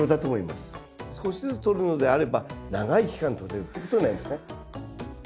少しずつ取るのであれば長い期間取れるっていうことになりますね。